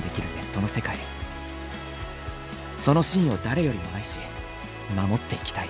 そのシーンを誰よりも愛し守っていきたい。